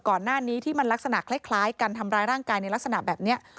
ก่อนหน้านี้ที่มันลักษณะคล้ายกันทำร้ายร่างกายในลักษณะแบบนี้